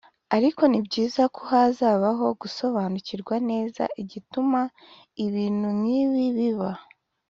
ariko ni byiza ko hazabaho gusobanukirwa neza igituma ibintu nk’ ibi biba